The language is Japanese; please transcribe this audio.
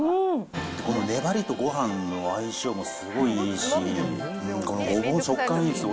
この粘りとごはんの相性もすごいいいし、このごぼうの食感いいですね。